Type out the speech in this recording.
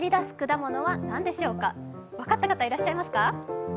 分かった方、いらっしゃいますか？